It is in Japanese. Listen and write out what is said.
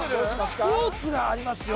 スポーツがありますよ